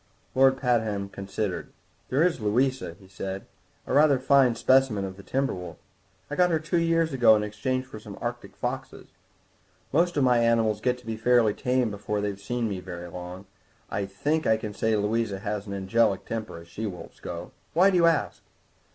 Lord Pabham considered. "There is Louisa," he said, "a rather fine specimen of the timber wolf. I got her two years ago in exchange for some Arctic foxes. Most of my animals get to be fairly tame before they've been with me very long; I think I can say Louisa has an angelic temper, as she wolves go. Why do you ask?"